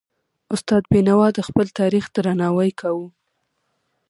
استاد بينوا د خپل تاریخ درناوی کاوه.